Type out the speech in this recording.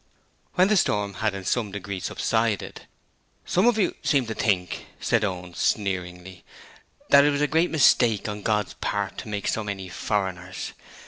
When the storm had in some degree subsided, 'Some of you seem to think,' said Owen, sneeringly, 'that it was a great mistake on God's part to make so many foreigners.